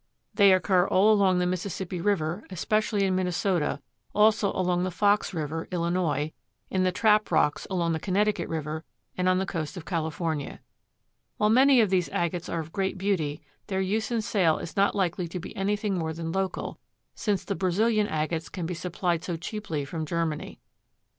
They occur all along the Mississippi River, especially in Minnesota, also along the Fox River, Illinois, in the trap rocks along the Connecticut River, and on the coast of California. While many of these agates are of great beauty, their use and sale is not likely to be anything more than local, since the Brazilian agates can be supplied so cheaply from Germany.